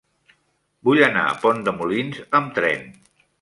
Vull anar a Pont de Molins amb tren.